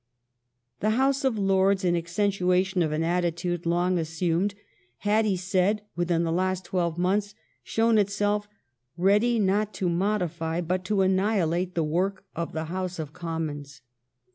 The House of Lords, in accentuation of an attitude long assumed, had, he said, within the last twelve months shown it self ready not to modify but to annihilate the work of the House of Commons.